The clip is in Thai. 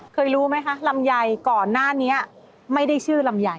รู้ไหมคะลำไยก่อนหน้านี้ไม่ได้ชื่อลำไย